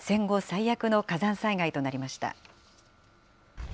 最悪の火山災害となりました。